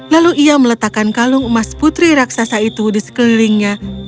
lalu ia meletakkan kalung emas putri raksasa itu di sekelilingnya